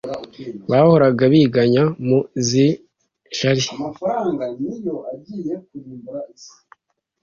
bahora biganya mu z’i jari